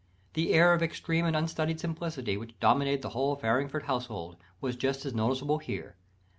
The air of extreme and unstudied simplicity, which dominated the whole Farringford household, was just as noticeable here.